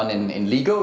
yang dilakukan di ligo